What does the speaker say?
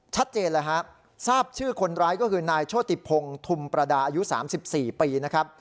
ชัดเจนเลยฮะทราบชื่อคนร้ายก็คือนายโชติพงศ์ธุมประดาอายุ๓๔ปีนะครับ